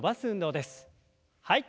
はい。